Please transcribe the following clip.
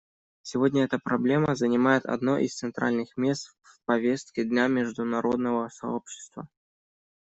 Сегодня эта проблема занимает одно из центральных мест в повестке дня международного сообщества.